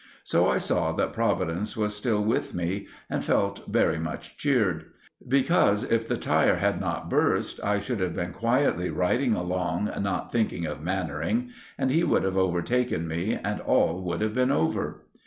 So I saw that Providence was still with me and felt very much cheered; because, if the lyre had not burst, I should have been quietly riding along not thinking of Mannering, and he would have overtaken me and all would have been over.